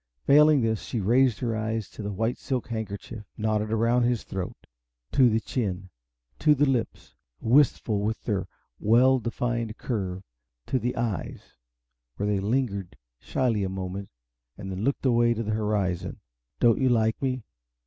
Failing this, she raised her eyes to the white silk handkerchief knotted around his throat; to the chin; to the lips, wistful with their well defined curve; to the eyes, where they lingered shyly a moment, and then looked away to the horizon. "Don't you like me?